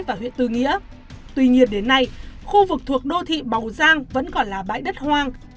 và huyện tư nghĩa tuy nhiên đến nay khu vực thuộc đô thị bầu giang vẫn còn là bãi đất hoang